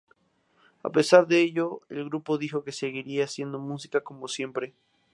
A pesar de ello, el grupo dijo que seguiría haciendo música como siempre.